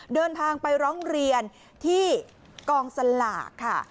เดินทางไปร้องเรียนที่กองสลากค่ะ